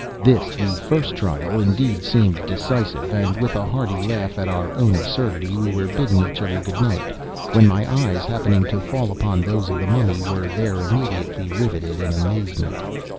This, the first trial, indeed, seemed decisive, and, with a hearty laugh at our own absurdity, we were bidding each other good night, when my eyes, happening to fall upon those of the Mummy, were there immediately riveted in amazement.